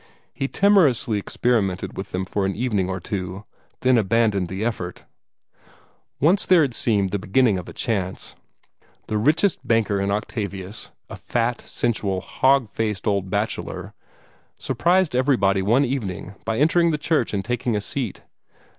He timorously experimented with them for an evening or two, then abandoned the effort. Once there had seemed the beginning of a chance. The richest banker in Octavius a fat, sensual, hog faced old bachelor surprised everybody one evening by entering the church and taking a seat.